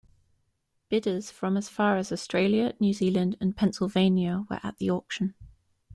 Bidders from as far as Australia, New Zealand and Pennsylvania were at the auction.